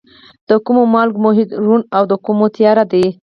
د کومو مالګو محیط روڼ او د کومو تیاره دی؟